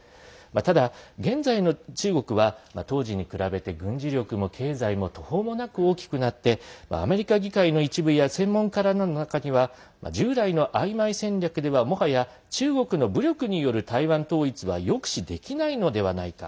ただ、現在の中国は当時に比べて軍事力も経済も途方もなく大きくなってアメリカ議会の一部や専門家らの中には従来のあいまい戦略では、もはや中国の武力による台湾統一は抑止できないのではないか。